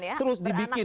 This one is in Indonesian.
jadi itu terus dibikin